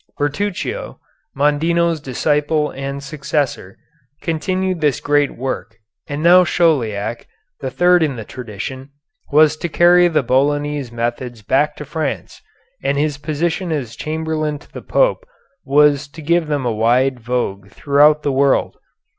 Bertruccio, Mondino's disciple and successor, continued this great work, and now Chauliac, the third in the tradition, was to carry the Bolognese methods back to France, and his position as chamberlain to the Pope was to give them a wide vogue throughout the world.